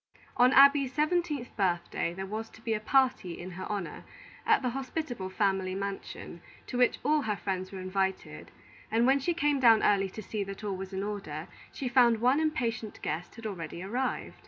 On Abby's seventeenth birthday, there was to be a party in her honor, at the hospitable family mansion, to which all her friends were invited; and, when she came down early to see that all was in order, she found one impatient guest had already arrived.